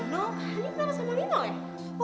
hany kenapa sama lino ya